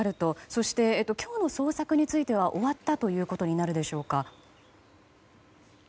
そして、今日の捜索については終わったということになるでしょうか。